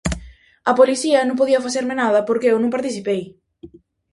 -A policía non pode facerme nada porque eu non participei.